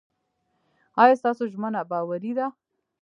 ایا ستاسو ژمنه باوري ده؟